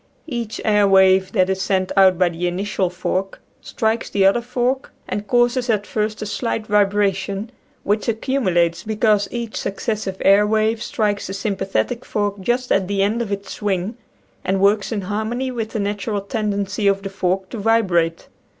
Each air wave that is sent out by the initial fork strikes the other fork and causes at first a slight vibra tion which accumulates, because each succes sive air wave strikes the sympathetic fork just at the end of its swing and works in harmony with the natural tendency of the fork to vi brate.